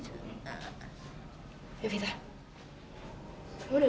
kamu udah bisa ngomong sekarang